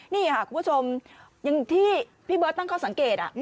นี่ค่ะคุณผู้ชมอย่างที่พี่เบิร์ตตั้งข้อสังเกต